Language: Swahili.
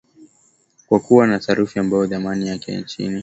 kwa kuwa na sarafu ambayo dhamani yake ya chini